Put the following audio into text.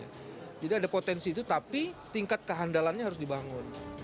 jadi ada potensi itu tapi tingkat kehandalannya harus dibangun